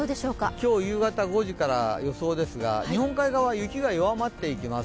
今日夕方５時から、予想ですが日本海側は雪が弱まっていきます。